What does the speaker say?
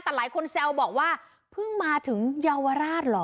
แต่หลายคนแซวบอกว่าเพิ่งมาถึงเยาวราชเหรอ